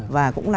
và cũng làm